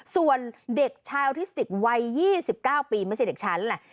ส่วนเด็กชายออทิสติกวัย๒๙ปีไม่ใช่เด็กฉันแหละ